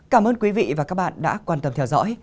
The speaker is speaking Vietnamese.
cảm ơn quý vị và các bạn đã quan tâm theo dõi